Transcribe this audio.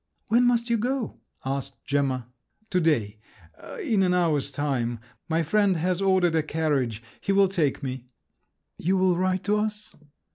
"When must you go?" asked Gemma. "To day, in an hour's time; my friend has ordered a carriage—he will take me." "You will write to us?"